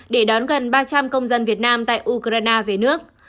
để đón gần ba trăm linh công dân việt nam tại ukraine về nước